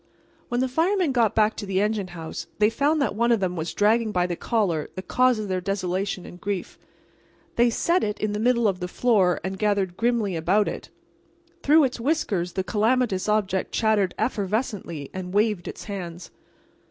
When the firemen got back to the engine house they found that one of them was dragging by the collar the cause of their desolation and grief. They set it in the middle of the floor and gathered grimly about it. Through its whiskers the calamitous object chattered effervescently and waved its hands.